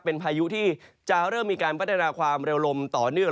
เป็นพายุที่จะเริ่มมีการพัฒนาความเร็วลมต่อเนื่อง